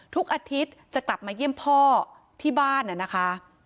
ทุกอาทิตย์จะกลับมาเยี่ยมพ่อที่บ้านนะคะ